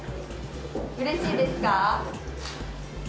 うれしいですか？